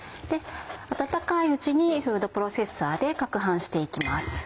温かいうちにフードプロセッサーで攪拌して行きます。